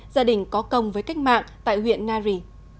gia đình có công với cách mạng tại huyện nari